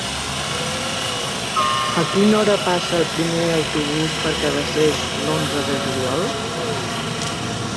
A quina hora passa el primer autobús per Cabacés l'onze de juliol?